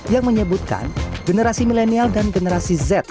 yang menyebutkan generasi milenial dan generasi z